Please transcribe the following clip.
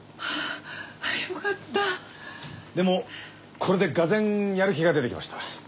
でもこれで俄然やる気が出てきました。